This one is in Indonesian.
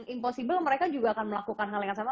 impossible mereka juga akan melakukan hal yang sama